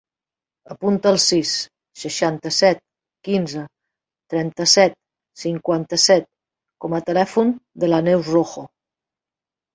Apunta el sis, seixanta-set, quinze, trenta-set, cinquanta-set com a telèfon de la Neus Rojo.